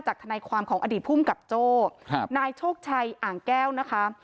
ทนายความของอดีตภูมิกับโจ้ครับนายโชคชัยอ่างแก้วนะคะ